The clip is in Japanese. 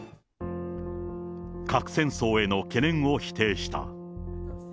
核戦争への懸念を否定した。